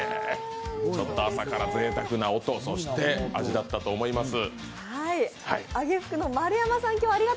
朝からぜいたくな音、そして味だったと思います。